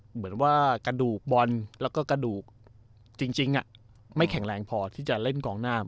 เหมือนว่ากระดูกบอลแล้วก็กระดูกจริงไม่แข็งแรงพอที่จะเล่นกองหน้า